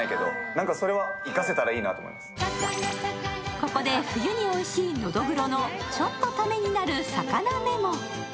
ここで、冬においしいのどぐろのちょっとためになる魚メモ。